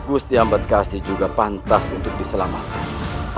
gusti ambat kasi juga pantas untuk diselamatkan